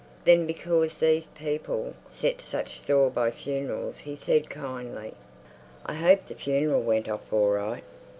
Then because these people set such store by funerals he said kindly, "I hope the funeral went off all right."